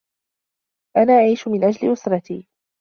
أنا أعيش من أجل أسرتي.